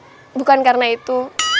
bukan kok bukan karena itu